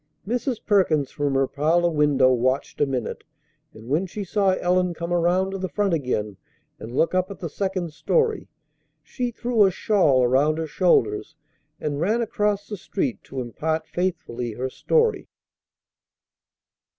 Mrs. Perkins from her parlor window watched a minute; and, when she saw Ellen come around to the front again and look up at the second story, she threw a shawl around her shoulders and ran across the street to impart faithfully her story.